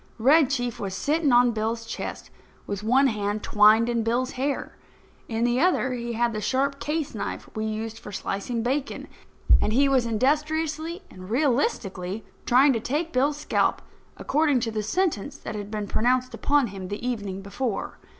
Red Chief was sitting on Bill's chest, with one hand twined in Bill's hair. In the other he had the sharp case knife we used for slicing bacon; and he was industriously and realistically trying to take Bill's scalp, according to the sentence that had been pronounced upon him the evening before.